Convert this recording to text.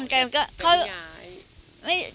ไม่ได้ย้าย